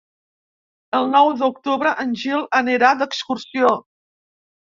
El nou d'octubre en Gil anirà d'excursió.